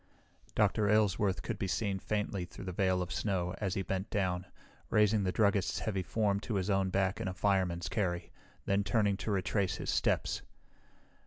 Dr. Aylesworth could be seen faintly through the veil of snow as he bent down, raising the druggist's heavy form to his own back in a fireman's carry, then turning to retrace his steps.